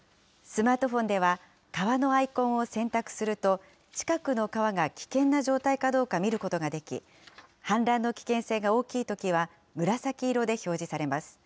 スマートフォンでは、川のアイコンを選択すると、近くの川が危険な状態かどうか見ることができ、氾濫の危険性が大きいときは、紫色で表示されます。